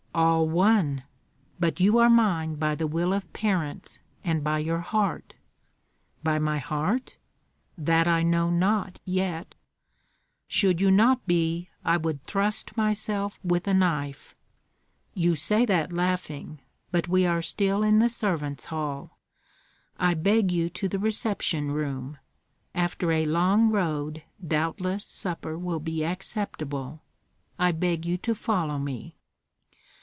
"All one! but you are mine by the will of parents and by your heart." "By my heart? That I know not yet." "Should you not be, I would thrust myself with a knife!" "You say that laughing. But we are still in the servants' hall; I beg you to the reception room. After a long road doubtless supper will be acceptable. I beg you to follow me."